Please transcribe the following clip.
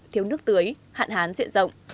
thiếu nước tưới hạn hán diện rộng